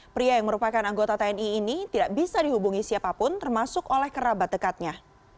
pria yang merupakan anggota tni ini tidak bisa dihubungi siapapun termasuk oleh kerabat dekatnya